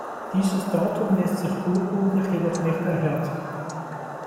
Dieses Datum lässt sich urkundlich jedoch nicht erhärten.